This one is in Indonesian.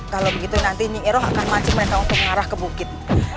kalau begitu nanti nyiro akan maju mereka untuk mengarah ke bukit